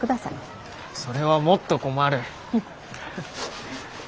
それはもっと困る。